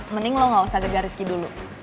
mending lo gak usah gegar riski dulu